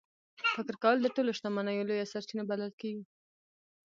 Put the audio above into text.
فکر کول د ټولو شتمنیو لویه سرچینه بلل کېږي.